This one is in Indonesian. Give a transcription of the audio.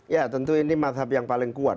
ya tentu ini mazhab yang paling kuat